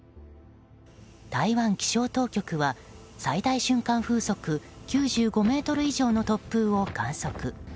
台湾気象当局は最大瞬間風速９５メートル以上の突風を観測。